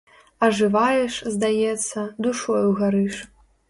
Ажываеш, здаецца, душою гарыш.